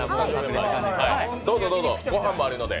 どうぞどうぞごはんもあるので。